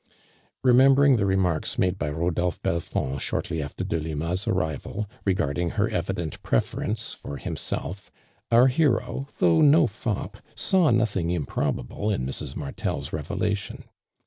Ilemembering the remarks made by Rodolpho Belfond shortly after DeUma's arrival, regt^rding her evident preference for himaelf, our h'^ro, tfapugh no fop, saw nothing improbable in Mrs. Mar tel's revela tion.